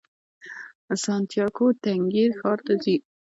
سانتیاګو تنګیر ښار ته ځي.